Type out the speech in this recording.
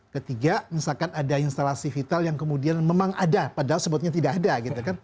ketiga misalkan ada instalasi vital yang kemudian memang ada padahal sebutnya tidak ada gitu kan